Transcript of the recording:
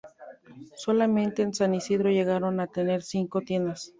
Solamente en San Isidro llegaron a tener cinco tiendas.